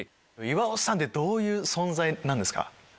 岩尾さんってどういう存在なんですか？